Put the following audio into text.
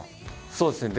そうですね。